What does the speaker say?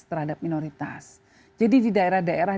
terhadap minoritas jadi di daerah daerah